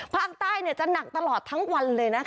ภาคใต้จะหนักตลอดทั้งวันเลยนะคะ